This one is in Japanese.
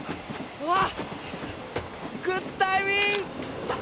うわっ！